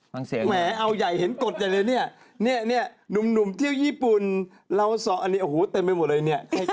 แหมเอาใหญ่เห็นกฎอย่างนี้นี่หนุ่มเที่ยวยีปุ่นเราสอนอันนี้โอ้โหเต็มไปหมดเลยนี่